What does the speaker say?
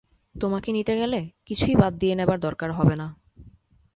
তোমাকে নিতে গেলে কিছুই বাদ দিয়ে নেবার দরকার হবে না।